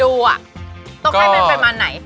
ต้องให้เป็นประมาณไหน